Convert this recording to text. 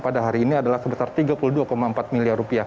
pada hari ini adalah sebesar rp tiga puluh dua empat miliar